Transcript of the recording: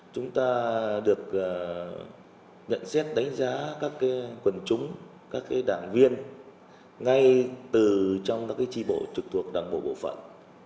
chúng ta được nhận xét đánh giá các quần chúng các đảng viên ngay từ trong các tri bộ trực thuộc đảng bộ bộ phận